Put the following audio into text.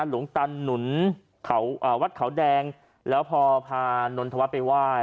หลุงตันฝากีไว้